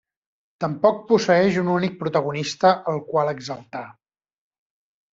Tampoc posseeix un únic protagonista el qual exaltar.